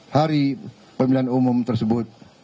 hari pemilihan umum tersebut